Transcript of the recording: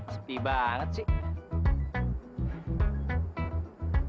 sepi banget sih